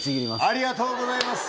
ありがとうございます。